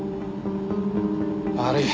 悪い。